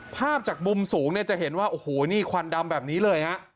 ภาพจากมุมสูงเนี่ยจะเห็นว่าโอ้โหนี่ควันดำแบบนี้เลยฮะ